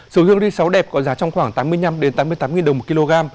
sổ riêng ri sáu đẹp có giá trong khoảng tám mươi năm tám mươi tám đồng một kg